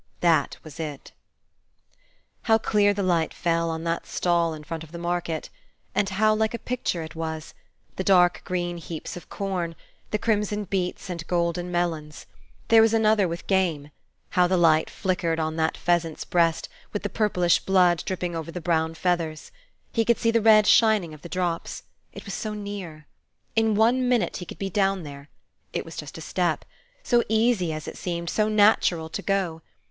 that was it. How clear the light fell on that stall in front of the market! and how like a picture it was, the dark green heaps of corn, and the crimson beets, and golden melons! There was another with game: how the light flickered on that pheasant's breast, with the purplish blood dripping over the brown feathers! He could see the red shining of the drops, it was so near. In one minute he could be down there. It was just a step. So easy, as it seemed, so natural to go!